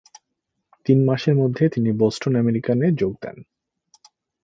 তিন মাসের মধ্যে তিনি "বোস্টন আমেরিকান"-এ যোগ দেন।